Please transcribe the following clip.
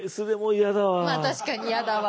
まあ確かに嫌だわ。